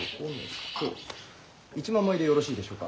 １万枚でよろしいでしょうか。